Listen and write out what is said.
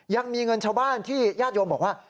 ยังมีเงินชาวบ้านที่ญาติโยมบอกว่า